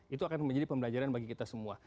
itu akan menjadi pembelajaran bagi kita semua